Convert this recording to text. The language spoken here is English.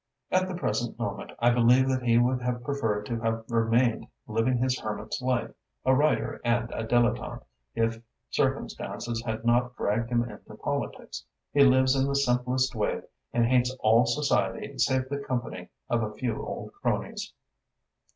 At the present moment I believe that he would have preferred to have remained living his hermit's life, a writer and a dilettante, if circumstances had not dragged him into politics. He lives in the simplest way and hates all society save the company of a few old cronies."